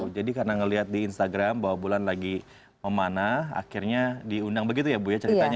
jadi karena ngelihat di instagram bahwa bulan lagi memanah akhirnya diundang begitu ya bu ya ceritanya ya